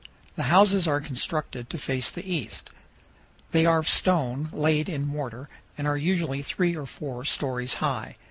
The houses are constructed to face the east. They are of stone laid in mortar, and are usually three or four stories high.